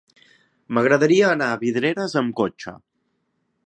M'agradaria anar a Vidreres amb cotxe.